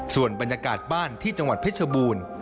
ส่วนบรรยากาศบ้านที่จังหวัดเพชรบูรณ์